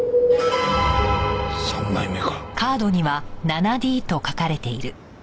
３枚目か。